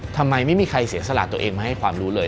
ทำไมไม่มีใครเสียสละตัวเองมาให้ความรู้เลย